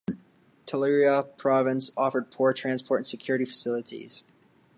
Toliara province offered poor transport and security facilities.